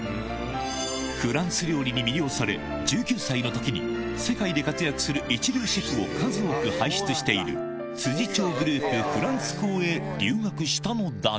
フランス料理に魅了され、１９歳のときに、世界で活躍する一流シェフを数多く輩出している、辻調グループフランス校へ留学したのだが。